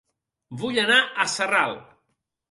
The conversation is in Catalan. Vull anar a Sarral